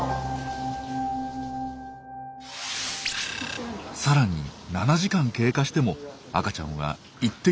さらに７時間経過しても赤ちゃんは１滴もお乳を飲めないまま。